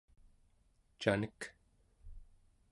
canek